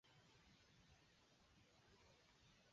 纽卡斯尔联和米德尔斯堡获得第一轮轮空。